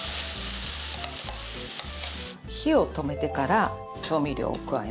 火を止めてから調味料を加えます。